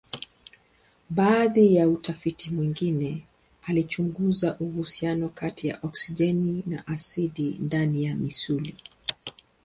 Baadhi ya utafiti mwingine alichunguza uhusiano kati ya oksijeni na asidi ndani ya misuli.